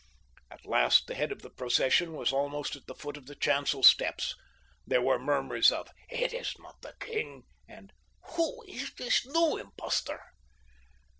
At last the head of the procession was almost at the foot of the chancel steps. There were murmurs of: "It is not the king," and "Who is this new impostor?"